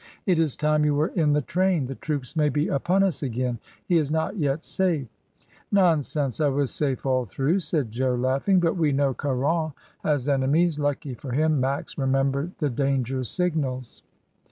It is time you were in the train. The troops may be upon us again. He is not yet safe!" "Nonsense! I was safe all through," said Jo laughing, "but we know Caron has enemies. Lucky for him Max remembered the danger signals."